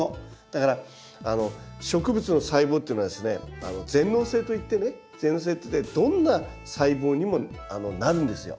だから植物の細胞っていうのはですね全能性といってね全能性といってどんな細胞にもなるんですよ。